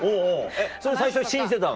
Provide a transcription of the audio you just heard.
それ最初は信じてたの？